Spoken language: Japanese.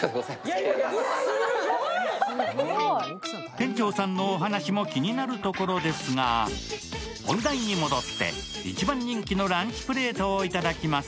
店長さんのお話も気になるところですが本題に戻って一番人気のランチプレートをいただきます。